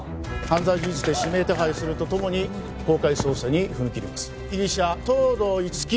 犯罪事実で指名手配するとともに公開捜査に踏み切ります被疑者東堂樹生